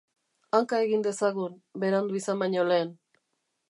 Hanka egin dezagun, berandu izan baino lehen!